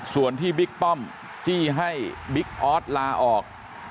ส่วนที่บิ๊กป้อมจี้ให้บิ๊กออสลาออก